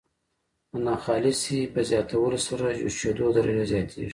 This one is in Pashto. د ناخالصې په زیاتولو سره جوشیدو درجه زیاتیږي.